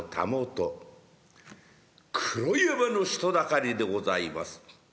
黒山の人だかりでございます。